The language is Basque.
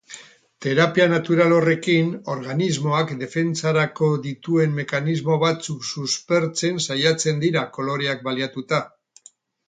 Terapia natural horrekin organismoak defentsarako dituen mekanismo batzuk suspertzen saiatzen dira koloreak baliatuta.